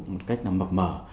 một cách là mập mở